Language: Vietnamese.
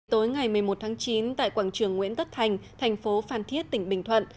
tối ngày một mươi một tháng chín tại quảng trường nguyễn tất thành thành phố phan thiết tỉnh bình thuận